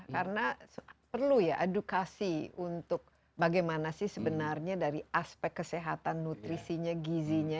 karena perlu ya edukasi untuk bagaimana sih sebenarnya dari aspek kesehatan nutrisinya gizinya